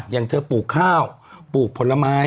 อย่างเธอปลูกข้าวปลูกผลไม้